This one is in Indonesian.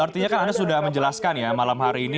artinya kan anda sudah menjelaskan ya malam hari ini